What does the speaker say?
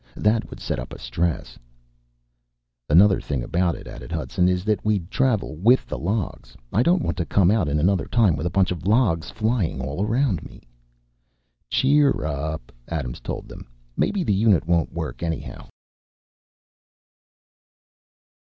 That would set up a stress...." "Another thing about it," added Hudson, "is that we'd travel with the logs. I don't want to come out in another time with a bunch of logs flying all around me." "Cheer up," Adams told them. "Maybe the unit won't work, anyhow."